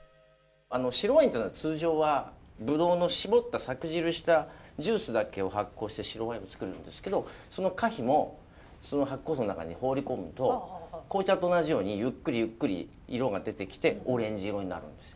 白ワインってのは通常はぶどうの搾った搾汁したジュースだけを発酵して白ワインを造るんですけどその果皮もその発酵槽の中に放り込むと紅茶と同じようにゆっくりゆっくり色が出てきてオレンジ色になるんですよ。